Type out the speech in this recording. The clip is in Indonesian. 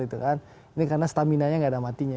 ini karena stamina nya gak ada matinya